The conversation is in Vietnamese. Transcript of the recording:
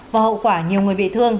và hậu quả nhiều người bị thương